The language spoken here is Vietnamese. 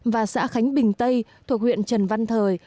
và xã khánh bình tây thuộc huyện trần văn thời